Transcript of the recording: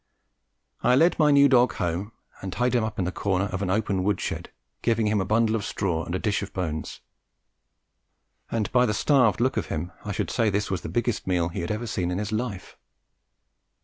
I led my new dog home and tied him up in the corner of an open wood shed, giving him a bundle of straw and a dish of bones, and by the starved look of him I should say this was the biggest meal he had ever had in his life.